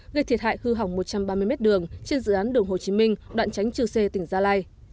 gây thiệt hại hư hỏng một trăm ba mươi m đường trên dự án đường hồ chí minh đoạn tránh trừ xê tỉnh gia lai